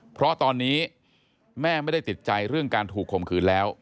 เพราะตอนนี้แม่ไม่ได้ติดใจเรื่องการถูกข่มขืนแล้ว